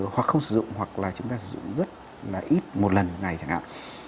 hoặc không sử dụng hoặc là chúng ta sử dụng rất là ít một lần này chẳng hạn